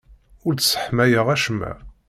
Ur d-sseḥmayeɣ acemma.